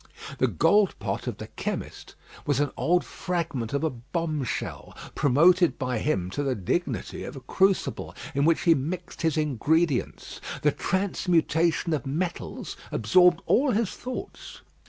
The gold pot of the "chemist" was an old fragment of a bomb shell, promoted by him to the dignity of a crucible, in which he mixed his ingredients. The transmutation of metals absorbed all his thoughts.